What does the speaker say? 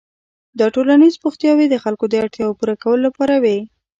دا ټولنیز بوختیاوې د خلکو د اړتیاوو پوره کولو لپاره وې.